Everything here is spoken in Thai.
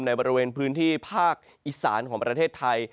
ในบริเวณพื้นที่ภาคอีสานของประเทศไทย